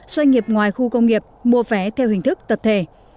doanh nghiệp ngoài khu công nghiệp mua vé theo hình thức tập thể